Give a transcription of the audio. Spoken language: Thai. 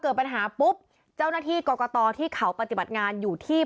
เกิดปัญหาปุ๊บเจ้าหน้าที่กรกตที่เขาปฏิบัติงานอยู่ที่